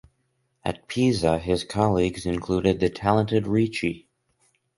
At Pisa, his colleagues included the talented Ricci.